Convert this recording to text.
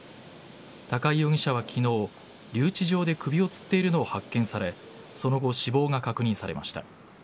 高井容疑者は昨日、留置場で首をつっているのが発見されその後、死亡が確認されました。